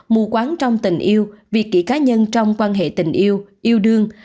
mù quán trong tình yêu việc kỷ cá nhân trong quan hệ tình yêu yêu đương